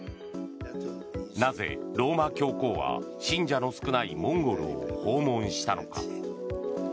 なぜローマ教皇は、信者の少ないモンゴルを訪問したのか。